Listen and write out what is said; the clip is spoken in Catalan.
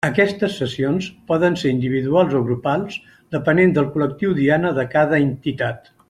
Aquestes sessions poden ser individuals o grupals depenent del col·lectiu diana de cada entitat.